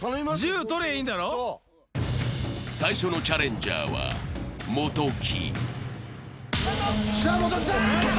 最初のチャレンジャーは元木。